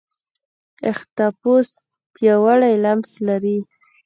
اختاپوس پیاوړی لمس لري.